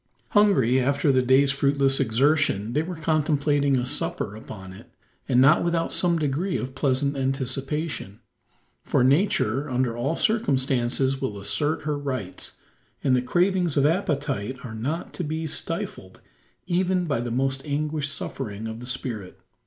Hungry after the day's fruitless exertion, they were contemplating a supper upon it, and not without some degree of pleasant anticipation: for nature under all circumstances will assert her rights, and the cravings of appetite are not to be stifled even by the most anguished suffering of the spirit.